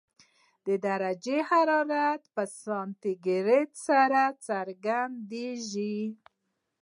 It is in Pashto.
درجه حرارت په سانتي ګراد سره څرګندېږي.